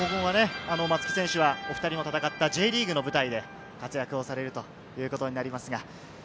松木選手は、お２人も戦ったＪリーグの舞台で活躍をされるということになります。